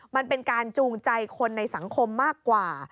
มันเป็นการจูงใจคนในสังคมมากกว่า